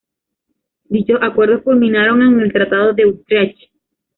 Dichos acuerdos culminaron en el Tratado de Utrecht.